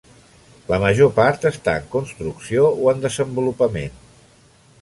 La major part està en construcció o en desenvolupament.